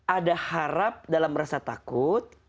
ada harap dalam rasa takut